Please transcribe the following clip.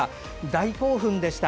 大興奮でした。